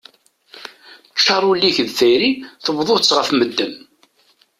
Ččar ul-ik d tayri tebḍuḍ-tt ɣef medden.